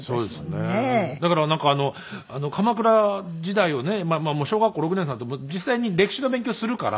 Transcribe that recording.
だからなんか鎌倉時代をねまあまあもう小学校６年生になると実際に歴史の勉強するから。